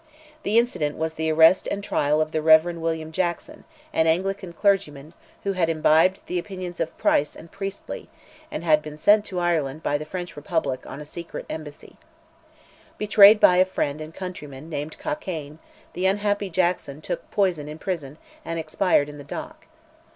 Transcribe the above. The incident was the arrest and trial of the Rev. William Jackson, an Anglican clergyman, who had imbibed the opinions of Price and Priestley, and had been sent to Ireland by the French Republic, on a secret embassy. Betrayed by a friend and countryman, named Cockayne, the unhappy Jackson took poison in prison, and expired in the dock.